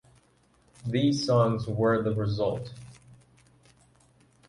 These songs were the result.